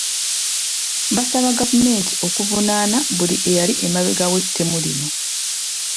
Baasaba gavumenti okuvunaana buli eyali emabega w’ettemu lino.